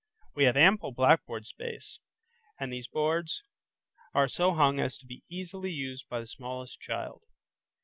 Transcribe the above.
We have ample blackboard space, and these boards are so hung as to be easily used by the smallest child.